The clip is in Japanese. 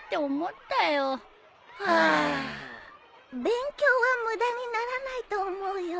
勉強は無駄にならないと思うよ。